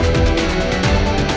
diagnosisnya infeksi selama penapasan